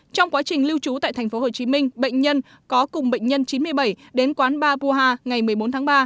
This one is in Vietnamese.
trong quá trình lưu trú tại tp hcm bệnh nhân có cùng bệnh nhân chín mươi bảy đến quán bar buha ngày một mươi bốn tháng ba